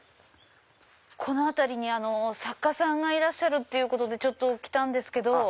この辺りに作家さんがいらっしゃるっていうことで来たんですけど。